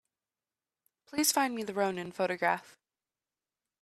Please find me the Rounin photograph.